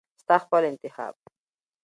ستا خپل انتخاب .